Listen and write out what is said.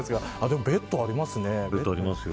でもベッドありますね。